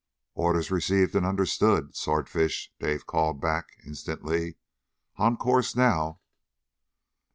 "Orders received and understood, Swordfish!" Dawson called back instantly. "On course, now!"